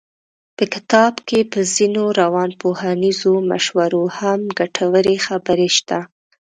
په کتاب کې په ځينو روانپوهنیزو مشورو هم ګټورې خبرې شته.